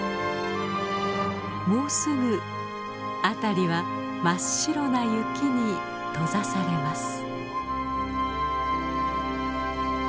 もうすぐ辺りは真っ白な雪に閉ざされます。